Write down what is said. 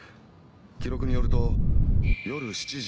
記録によると夜７時４０分。